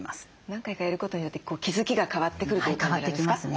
何回かやることによって気付きが変わってくるんですか？